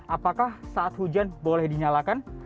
apakah saat hujan boleh dinyalakan